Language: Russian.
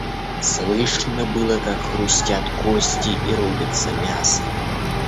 Слышно было, как хрустят кости и рубится мясо.